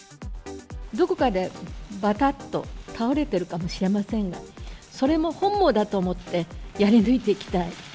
どこかでばたっと倒れてるかもしれませんが、それも本望だと思って、やり抜いていきたい。